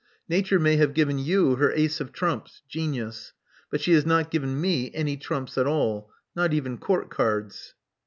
Nature may have given you her ace of trumps — genius; but she has not given me any trumps at all — not even court cards.